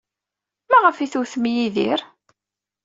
Maɣef ay tewtem Yidir?